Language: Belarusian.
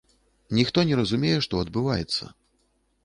Ніхто не разумее, што адбываецца.